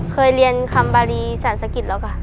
เคยเรียนคำบาลีสรรษะกิจแล้วกัน